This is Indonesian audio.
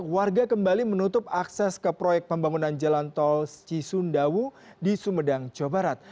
warga kembali menutup akses ke proyek pembangunan jalan tol cisundawu di sumedang jawa barat